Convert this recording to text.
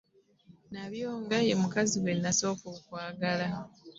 Nabyonga ye mukazi gwe nasooka okwagala.